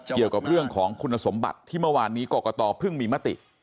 เกี่ยวกับเรื่องของคุณสมบัติที่เมื่อวานนี้กรกตเพิ่งมีมติ